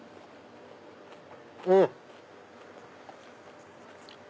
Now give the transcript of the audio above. うん！